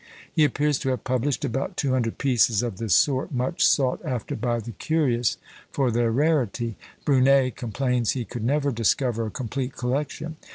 He appears to have published about two hundred pieces of this sort, much sought after by the curious for their rarity: Brunet complains he could never discover a complete collection.